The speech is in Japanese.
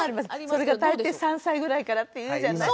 それが大抵３歳ぐらいからっていうじゃない。